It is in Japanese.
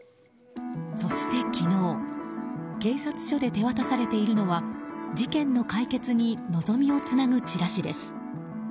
そして昨日、警察署で手渡されているのは事件の解決に望みをつなぐチラシです。